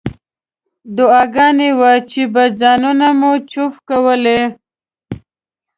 دعاګانې وې چې په ځانونو مو چوف کولې.